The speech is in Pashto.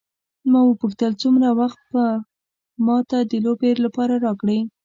ما وپوښتل څومره وخت به ما ته د لوبې لپاره راکړې.